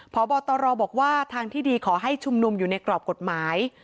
พบตรบอกว่าทางที่ดีขอให้ชุมนุมอยู่ในกรอบกฎหมาย